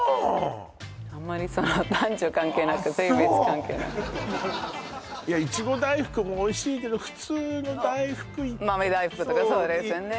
あんまり男女関係なく性別関係なくいやいちご大福もおいしいけど普通の大福豆大福とかそうですね